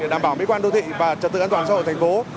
đảm bảo mỹ quan đô thị và trật tự an toàn xã hội thành phố